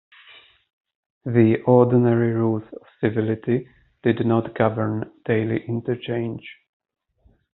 The ordinary rules of civility did not govern daily interchange.